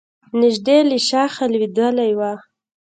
نژدې له شاخه لوېدلی و.